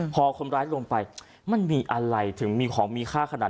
พอคนร้ายลงไปมันมีอะไรถึงมีของมีค่าขนาด